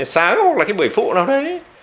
sáng hoặc là buổi phụ nào đấy